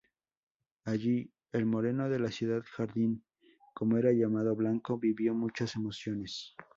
Allí, "el Moreno de la Ciudad Jardín", como era llamado Blanco, vivió muchas emociones.